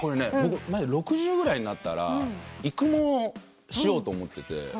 僕マジ６０ぐらいになったら育毛しようと思ってて。